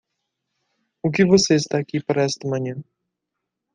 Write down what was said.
O que você está aqui para esta manhã?